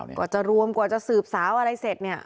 กว่าจะรวมกว่าจะสืบสาวอะไรเสร็จเนี่ย